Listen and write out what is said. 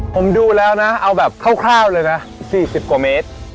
ผมดูแล้วนะเอาแบบคร่าวเลยนะ๔๐กว่าเมตร